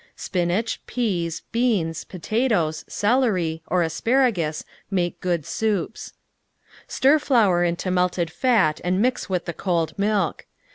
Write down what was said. Spinach, peas, other fat. beans, potatoes, celery, or aspara 1 teaspoon salt. gus make good soups. Stir flour into melted fat and mix with the cold milk.